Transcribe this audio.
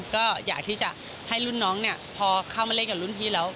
ก็อยากที่จะให้รุ่นน้องเนี่ยพอเข้ามาเล่นกับรุ่นพี่แล้ว